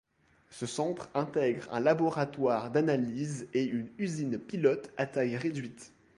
Ce centre intègre un laboratoire d’analyse et une usine pilote à taille réduite.